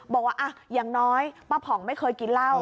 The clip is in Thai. บอกว่าอย่างน้อยป้าผ่องไม่เคยกินเหล้า